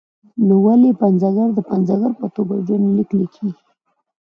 نو ولې پنځګر د پنځګر په توګه ژوند لیک لیکي.